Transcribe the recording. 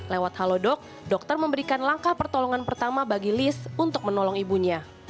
lewat halodoc dokter memberikan langkah pertolongan pertama bagi list untuk menolong ibunya